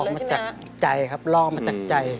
มาจากใจครับล่อมาจากใจ